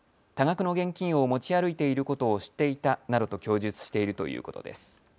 多額の現金を持ち歩いていることを知っていたなどと供述しているということです。